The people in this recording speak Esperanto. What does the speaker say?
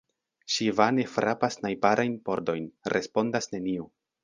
Ŝi vane frapas najbarajn pordojn; respondas neniu.